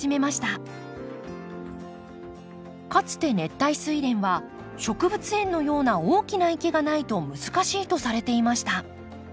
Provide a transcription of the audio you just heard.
かつて熱帯スイレンは植物園のような大きな池がないと難しいとされていました。